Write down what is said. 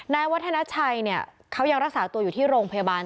นายวัฒนาชัยเนี่ยเขายังรักษาตัวอยู่ที่โรงพยาบาล